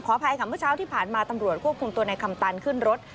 อภัยค่ะเมื่อเช้าที่ผ่านมาตำรวจควบคุมตัวในคำตันขึ้นรถ